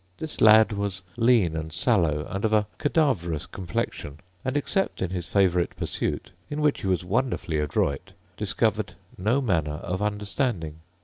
This lad was lean and sallow, and of a cadaverous complexion; and, except in his favourite pursuit, in which he was wonderfully adroit, discovered no manner of understanding.